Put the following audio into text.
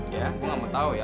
ya aku nggak mau tahu ya